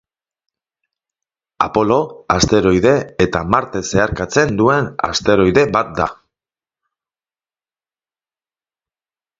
Apolo asteroide eta Marte zeharkatzen duen asteroide bat da.